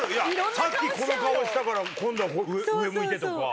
さっきこの顔したから今度は上向いてとか。